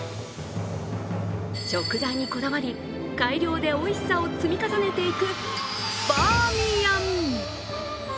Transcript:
食材にこだわり改良でおいしさを積み重ねていくバーミヤン。